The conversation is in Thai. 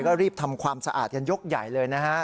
ก็รีบทำความสะอาดมายกใหญ่เลย